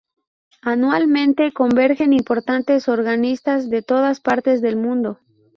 Anualmente convergen importantes organistas de todas partes del mundo.